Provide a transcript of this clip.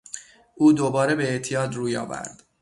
او دوباره به اعتیاد روی آورد.